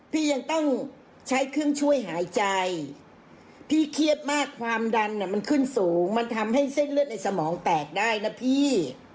พี่ยังต้องใช้เครื่องช่วยหายใจพี่เครียดมากความดันมันขึ้นสูงมันทำให้เส้นเลือดในสมองแตกได้นะพี่